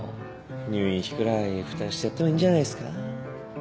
入院費くらい負担してやってもいいんじゃないっすか？